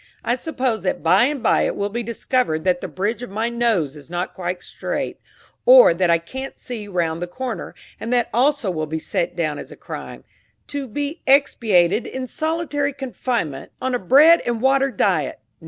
I suppose that by and by it will be discovered that the bridge of my nose is not quite straight, or that I can't see round the corner, and that also will be set down as a crime, to be expiated in solitary confinement, on a bread and water diet!